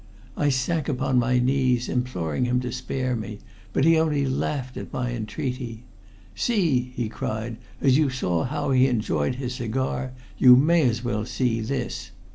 I sank upon my knees imploring him to spare me, but he only laughed at my entreaty. 'See!' he cried, 'as you saw how he enjoyed his cigar, you may as well see this!'